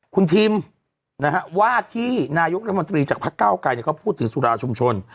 คุณทิมว่าที่นายกรัฐมนตรีจากพักเก้าไกรเขาพูดถึงสุราชุมชน